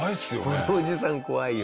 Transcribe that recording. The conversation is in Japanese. このおじさん怖いよ。